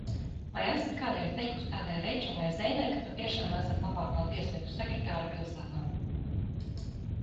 Vai esat kādreiz teikusi tādai Reičelai Zeinai, ka patiešām esat labākā tieslietu sekretāre pilsētā?